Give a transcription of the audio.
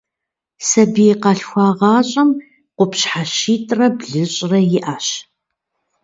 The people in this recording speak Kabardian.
Сабий къалъхуагъащӏэм къупщхьэ щитӏрэ блыщӏрэ иӏэщ.